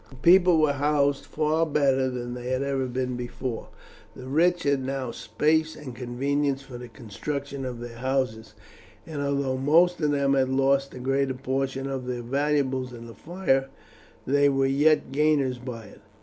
The people were housed far better than they had ever been before; the rich had now space and convenience for the construction of their houses, and although most of them had lost the greater portion of their valuables in the fire, they were yet gainers by it.